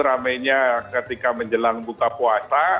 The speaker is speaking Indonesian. rame nya ketika menjelang buka puasa